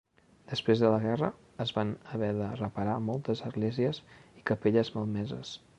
Després de la guerra, es van haver de reparar moltes esglésies i capelles malmeses.